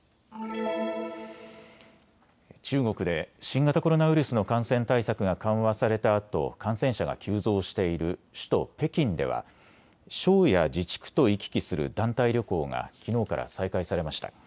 中国で新型コロナウイルスの感染対策が緩和されたあと感染者が急増している首都北京では省や自治区と行き来する団体旅行がきのうから再開されました。